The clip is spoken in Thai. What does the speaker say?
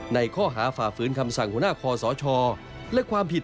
ข้อหาฝ่าฝืนคำสั่งหัวหน้าคอสชและความผิด